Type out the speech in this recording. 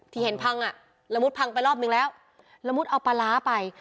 ที่เห็นพังอ่ะละมุดพังไปรอบนึงแล้วละมุดเอาปลาร้าไป